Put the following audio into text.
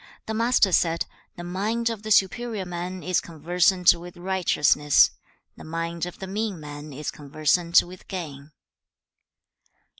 The Master said, 'The mind of the superior man is conversant with righteousness; the mind of the mean man is conversant with gain.'